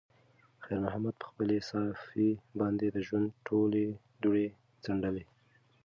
خیر محمد په خپلې صافې باندې د ژوند ټولې دوړې څنډلې.